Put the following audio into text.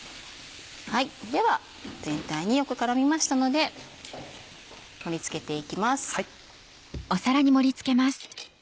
では全体によく絡みましたので盛り付けていきます。